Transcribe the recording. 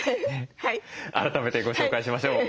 改めてご紹介しましょう。